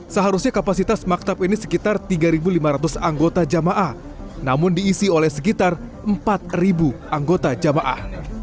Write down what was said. seharusnya kapasitas maktab ini sekitar tiga ribu lima ratus anggota jemaah namun diisi oleh sekitar empat ribu anggota jemaah